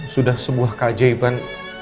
sudah sebuah keajaiban